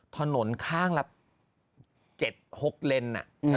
ถนนข้างละ๗๖เลน